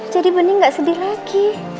jadi bening gak sedih lagi